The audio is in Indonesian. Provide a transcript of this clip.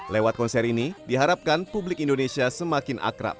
lewat konser ini diharapkan publik indonesia semakin akrab